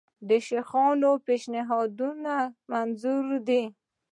د شیخانانو پېشنهادونه منظور دي.